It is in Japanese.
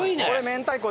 明太子！